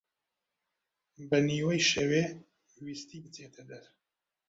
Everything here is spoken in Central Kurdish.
بە نیوەی شەوێ ویستی بچێتە دەر